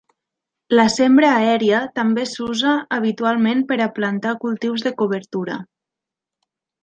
La sembra aèria també s'usa habitualment per a plantar cultius de cobertura.